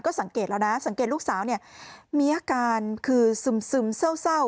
สังเกตแล้วนะสังเกตลูกสาวเนี่ยมีอาการคือซึมเศร้า